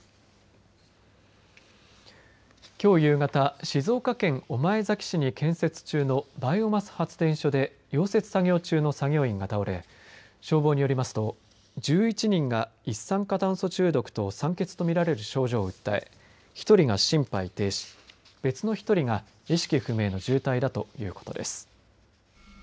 きょう夕方静岡県御前崎市に建設中のバイオマス発電所で溶接作業中の作業員が倒れ消防によりますと１１人が一酸化炭素中毒と酸欠と見られる症状を訴え１人が心肺停止別の１人が意識不明の重体だということです。